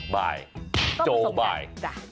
บายโจบาย